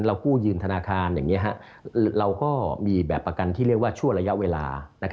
กู้ยืมธนาคารอย่างนี้เราก็มีแบบประกันที่เรียกว่าชั่วระยะเวลา